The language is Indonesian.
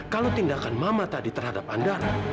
kalau tindakan mama tadi terhadap andara